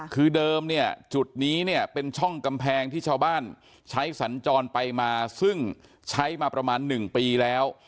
คือเดิมเนี่ยจุดนี้เนี่ยเป็นช่องกำแพงที่ชาวบ้านใช้สัญจรไปมาซึ่งใช้มาประมาณ๑ปีแล้ว